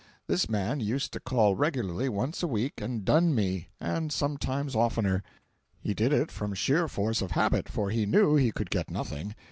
This man used to call regularly once a week and dun me, and sometimes oftener. He did it from sheer force of habit, for he knew he could get nothing.